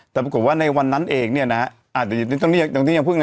แต่ปรากฏว่าในวันนั้นเองเนี่ยนะฮะอาจจะต้องเรียกอย่างที่ยังพึ่งนะ